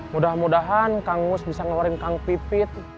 mudah mudahan kang gus bisa ngeluarin kang pipit